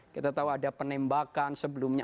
kita tahu ada penembakan sebelumnya